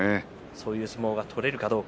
そういう相撲が取れるかどうか。